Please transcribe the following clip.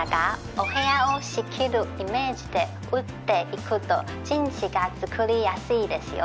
お部屋を仕切るイメージで打っていくと陣地が作りやすいですよ。